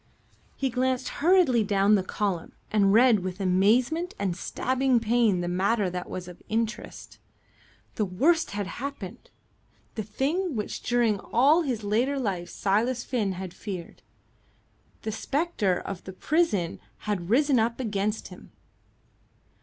He glanced hurriedly down the column and read with amazement and stabbing pain the matter that was of interest. The worst had happened the thing which during all his later life Silas Finn had feared. The spectre of the prison had risen up against him.